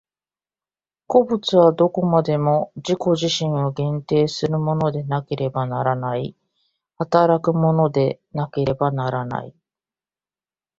個物はどこまでも自己自身を限定するものでなければならない、働くものでなければならない。